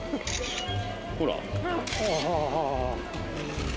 ほら。